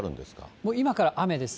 もう今から雨ですね。